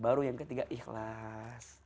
baru yang ketiga ikhlas